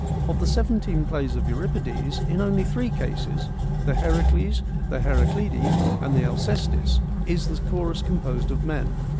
Of the seventeen plays of Euripides, in only three cases — the Heracles, the Heraclidae and the Alcestis — is the chorus composed of men.